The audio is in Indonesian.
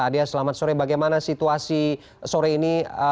adia selamat sore bagaimana situasi sore ini